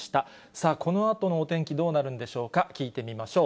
さあ、このあとのお天気、どうなるんでしょうか、聞いてみましょう。